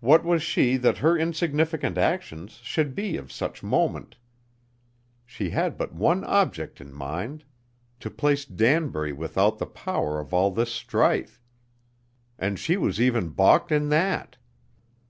What was she that her insignificant actions should be of such moment? She had but one object in mind: to place Danbury without the power of all this strife, and she was even balked in that.